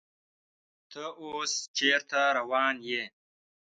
ته اوس چیرته روان یې؟